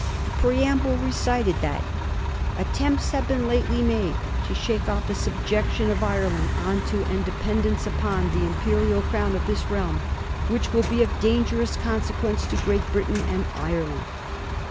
The preamble recited that ' attempts have been lately made to shake off the subjection of Ireland unto and dependence upon the Imperial Crown of this realm, which will be of dangerous consequence to Great Britain and Ireland.'